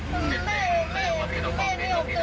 แม่นี่อมตื่นหรือเรียกแม่นี่เท่าไหร่